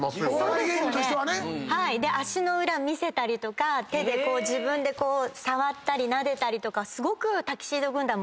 足の裏見せたりとか手で自分で触ったりなでたりすごくタキシード軍団も多かった。